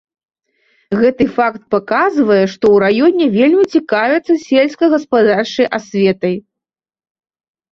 Гэты факт паказвае, што ў раёне вельмі цікавяцца сельскагаспадарчай асветай.